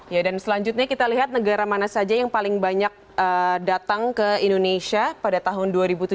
ya dan selanjutnya kita lihat negara mana saja yang paling banyak datang ke indonesia pada tahun dua ribu tujuh belas